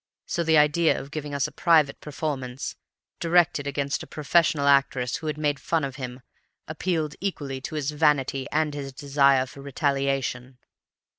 And so the idea of giving us a private performance, directed against a professional actress who had made fun of him, appealed equally to his vanity and his desire for retaliation.